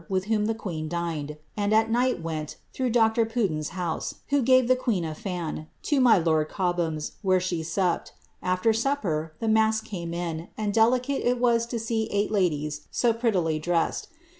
193 With whom the queen dined, and at night went, through Dr. Puddin's houef (who gave the queen a fan,) to my lord Cobham's, where she topped. After supper, the mask came in, and delicate it was to see eigfat ladies so prettily dressed.